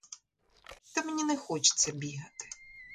Та мені не хочеться бігати.